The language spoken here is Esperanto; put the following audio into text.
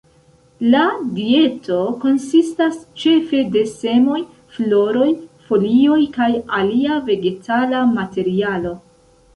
La dieto konsistas ĉefe de semoj, floroj, folioj kaj alia vegetala materialo.